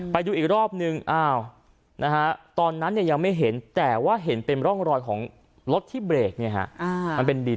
ไปดูอีกรอบนึงตอนนั้นยังไม่เห็นแต่ว่าเห็นเป็นร่องรอยของรถที่เบรกมันเป็นดิน